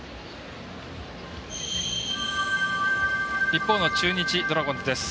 一方の中日ドラゴンズです。